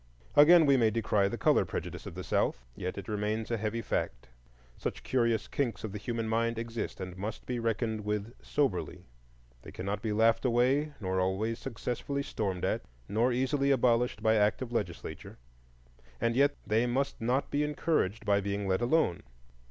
Again, we may decry the color prejudice of the South, yet it remains a heavy fact. Such curious kinks of the human mind exist and must be reckoned with soberly. They cannot be laughed away, nor always successfully stormed at, nor easily abolished by act of legislature. And yet they must not be encouraged by being let alone.